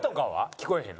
聞こえへんの？